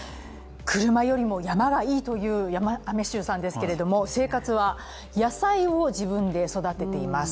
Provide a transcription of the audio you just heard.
車よりも山がいいという雨柊さんですけれども生活は、野菜を自分で育てています。